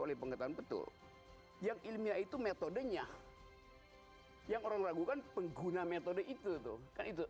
oleh pengetahuan betul yang ilmiah itu metodenya yang orang ragukan pengguna metode itu tuh kan itu